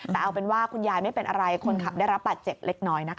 แต่เอาเป็นว่าคุณยายไม่เป็นอะไรคนขับได้รับบาดเจ็บเล็กน้อยนะคะ